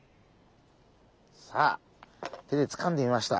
さあ手でつかんでみました。